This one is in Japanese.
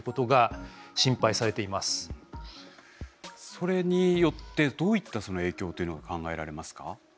それによってどういった影響というのが考えられますか？